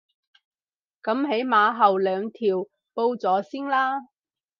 噉起碼後兩條報咗先啦